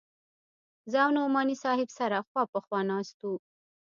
زه او نعماني صاحب سره خوا په خوا ناست وو.